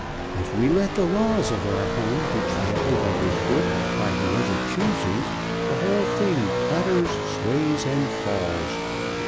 If we let the laws of our home be trampled under foot by whoever chooses the whole thing totters, sways and falls.